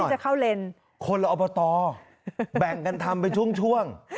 แล้วที่จะเข้าเลนคนละอบตแบ่งกันทำไปช่วงช่วง